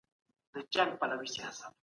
تاریخ پوهان تېر مهال ته په ډېر دقت سره ګوري.